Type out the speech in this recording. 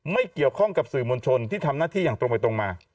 ไม่เกี่ยวข้องกับสื่อมวลชนที่ทำหน้าที่อย่างตรงไปตรงมา